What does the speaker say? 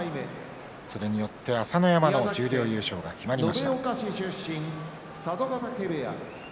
それによって朝乃山の十両優勝が決まりました。